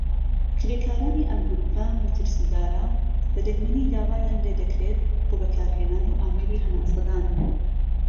کرێکارانی ئەم گرووپە مەترسیدارە بە دەگمەنی داوایان لێدەکرێت بۆ بەکارهێنانی ئامێری هەناسەدان.